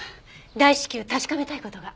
大至急確かめたい事が。